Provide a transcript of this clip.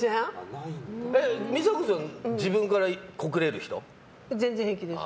美佐子さん、自分から全然平気です。